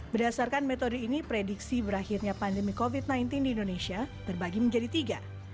berdasarkan metode ini prediksi berakhirnya pandemi covid sembilan belas di indonesia terbagi menjadi tiga